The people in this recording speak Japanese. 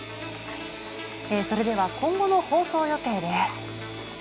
それでは今後の放送予定です。